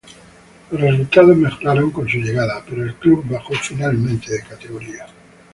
Los resultados mejoraron con su llegada, pero el club bajó finalmente de categoría.